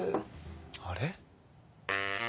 あれ？